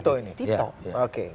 dan dia ingin mengatakan